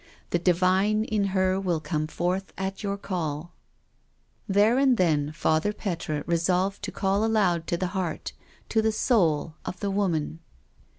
The divine in her will come forth at your call. •.." There and then Father Petre resolved to call aloud to the heart, to the soul of the Woman.